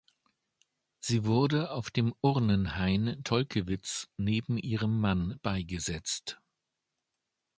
Sie wurde auf dem Urnenhain Tolkewitz neben ihrem Mann beigesetzt.